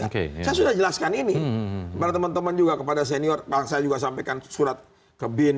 oke sudah jelaskan ini baru teman teman juga kepada senior bangsa juga sampaikan surat kebin